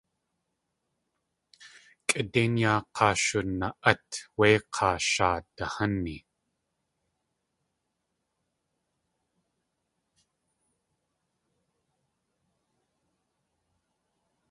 Kʼidéin yaa k̲aa shuna.át wé k̲aa sháade háni.